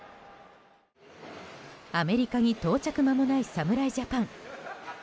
アメリカに到着まもない侍ジャパン。